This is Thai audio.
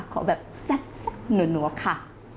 ขอแบบแซ่บนัวค่ะ